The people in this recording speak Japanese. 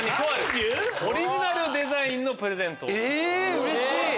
⁉うれしい！